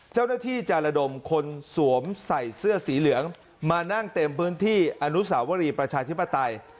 เจ้าหน้าที่จะระดมคนสวมใส่เสื้อสีเหลืองมานั่งเต็มพื้นที่อนุสาวรีประชาธิปไตย